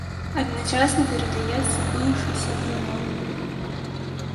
Адначасна перадаецца быўшы сябра вал.